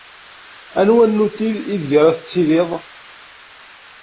Anwa nnutil ideg ara tettiliḍ?